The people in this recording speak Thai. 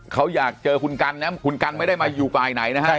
เขาอยากเจอคุณกันนะคุณกันไม่ได้มาอยู่ฝ่ายไหนนะฮะ